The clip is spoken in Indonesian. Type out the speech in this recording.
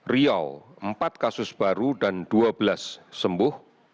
riau empat kasus baru dan dua belas sembuh